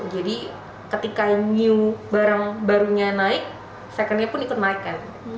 jadi ketika new barang barunya naik second nya pun ikut naik kan